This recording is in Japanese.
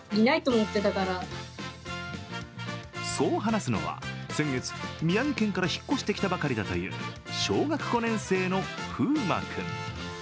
そう話すのは、先月、宮城県から引っ越してきたばかりだという小学５年生の富眞君。